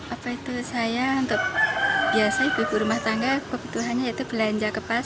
apa itu saya untuk biasa ibu ibu rumah tangga kebutuhannya yaitu belanja ke pasar